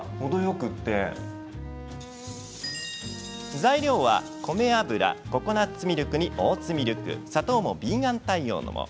材料は、米油ココナッツミルクにオーツミルク砂糖もヴィーガン対応のもの。